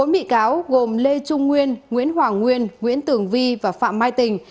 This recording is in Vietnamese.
bốn bị cáo gồm lê trung nguyên nguyễn hoàng nguyên nguyễn tường vi và phạm mai tình